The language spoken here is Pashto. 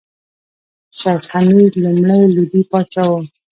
شېخ حمید لومړی لودي پاچا وو.